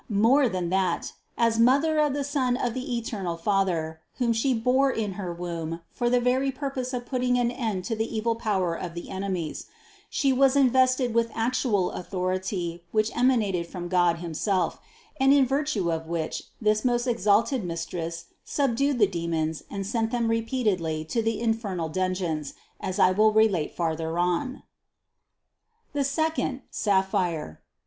More than that: as Mother of the Son of the eternal Father (whom She bore in her womb for the very purpose of putting an end to the evil power of the enemies) She was invested with actual authority which emanated from God him self and in virtue of which this most exalted Mistress subdued the demons and sent them repeatedly to the in fernal dungeons, as I will relate farther on. 286. "The second, sapphire."